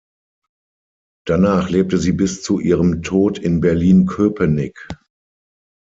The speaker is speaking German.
Danach lebte sie bis zu ihrem Tod in Berlin-Köpenick.